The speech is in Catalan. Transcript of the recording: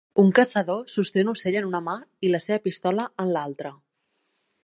Un caçador sosté un ocell en una mà i la seva pistola en l'altra.